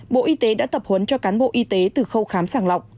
bộ y tế đã tập huấn cho cán bộ y tế từ khâu khám sàng lọc